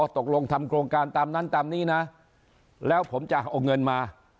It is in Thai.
ตกลงทำโครงการตามนั้นตามนี้นะแล้วผมจะเอาเงินมา